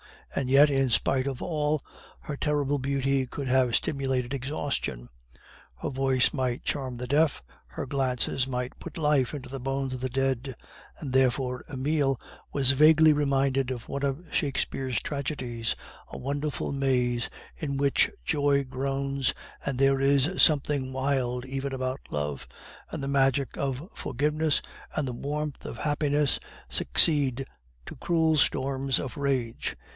And yet, in spite of all, her terrible beauty could have stimulated exhaustion; her voice might charm the deaf; her glances might put life into the bones of the dead; and therefore Emile was vaguely reminded of one of Shakespeare's tragedies a wonderful maze, in which joy groans, and there is something wild even about love, and the magic of forgiveness and the warmth of happiness succeed to cruel storms of rage.